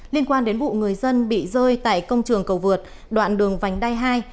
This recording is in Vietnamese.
liên quan đến vụ người dân bị rơi tại công trường cầu vượt đoạn đường vành đai hai